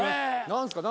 何すか？